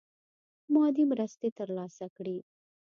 مادي مرستي تر لاسه کړي.